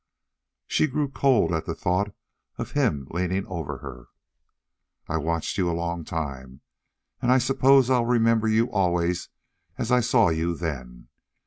She grew cold at the thought of him leaning over her. "I watched you a long time, and I suppose I'll remember you always as I saw you then.